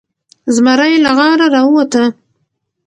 زمری له غاره راووته.